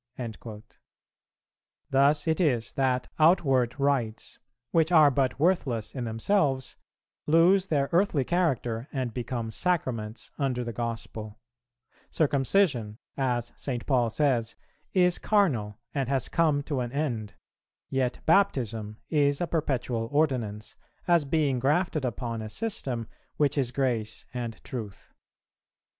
Thus it is that outward rites, which are but worthless in themselves, lose their earthly character and become Sacraments under the Gospel; circumcision, as St. Paul says, is carnal and has come to an end, yet Baptism is a perpetual ordinance, as being grafted upon a system which is grace and truth.